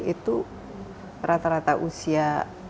itu rata rata usia